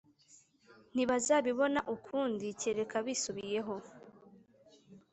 ntibazabibona ukundi kereka bisubiyeho